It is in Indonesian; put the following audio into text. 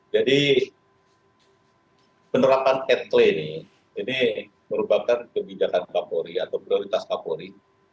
jadi penerapan atle ini merupakan kebijakan kapolri atau prioritas kapolri